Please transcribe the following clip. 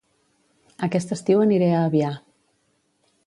Aquest estiu aniré a Avià